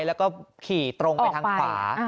แล้วก็ขี่ตรงไปทางขวา